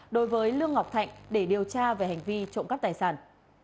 đối với lương ngọc thạnh để điều tra về hành vi trộm cắp tài sản